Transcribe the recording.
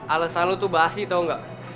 alasan lo tuh basi tau gak